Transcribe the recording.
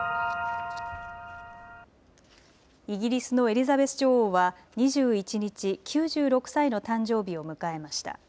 イギリスのエリザベス女王は２１日、９６歳の誕生日を迎えました。